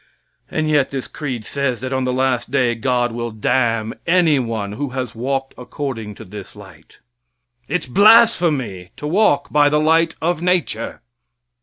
And yet this creed says that on the last day God will damn anyone who has walked according to this light. It's blasphemy to walk by the light of nature.